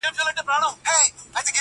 تر بچیو گوله نه سي رسولای،